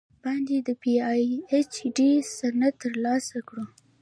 باندې د پې اي چ ډي سند تر السه کړو ۔